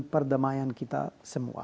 perdamaian kita semua